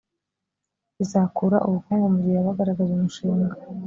bizakura ubukungu mu gihe yaba agaragaza umushinga